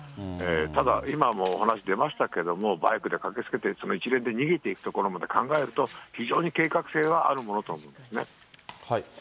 ただ、今も話出ましたけども、バイクで駆けつけて、一連で逃げていくところまで考えると、非常に計画性はあるものと思いますね。